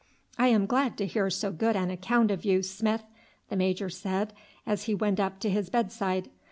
"I am glad to hear so good an account of you, Smith," the major said as he went up to his bedside.